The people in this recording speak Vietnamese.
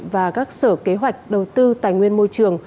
và các sở kế hoạch đầu tư tài nguyên môi trường